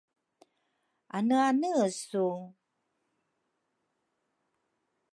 Aneane su?